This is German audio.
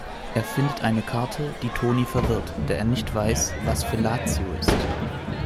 Er findet eine Karte, die Tony verwirrt, da er nicht weiß, was Fellatio ist.